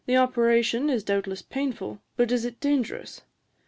The operation is doubtless painful; but is it dangerous?